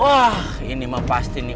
wah ini mah pasti nih